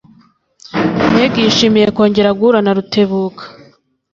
Meg yishimiye kongera guhura na Rutebuka.